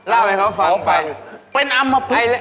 เล่าให้เขาฟังไปเป็นอัมพฤษฐ์